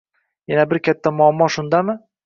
Yana bir katta muammo shundami?